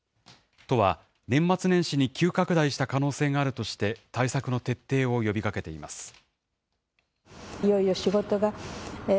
都は年末年始に急拡大した可能性があるとして、対策の徹底を呼びかけています。